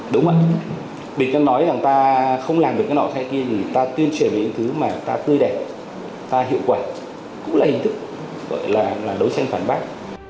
đúng ạ địch đang nói là ta không làm được cái nọ thay kia thì ta tuyên truyền những thứ mà ta tươi đẹp ta hiệu quả cũng là hình thức gọi là đấu tranh phản bác